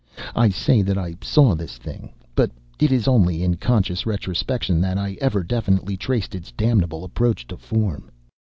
I say that I saw this thing, but it is only in conscious retrospection that I ever definitely traced its damnable approach to form.